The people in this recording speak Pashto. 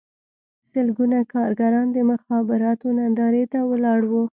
سلګونه کارګران د مجازاتو نندارې ته ولاړ وو